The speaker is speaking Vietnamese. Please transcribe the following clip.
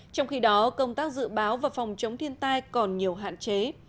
trong khi đó công tác dự báo và phòng chống thiên tai còn nhiều hạn chế